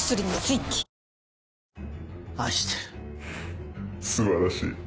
フフ素晴らしい。